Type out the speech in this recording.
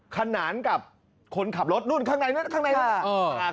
ขนานกับคนขับรถนู่นข้างในนู้นข้างใน